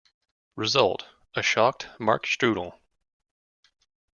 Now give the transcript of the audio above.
Result: a shocked Mark Strudal.